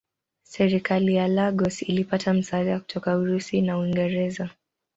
Serikali ya Lagos ilipata msaada kutoka Urusi na Uingereza.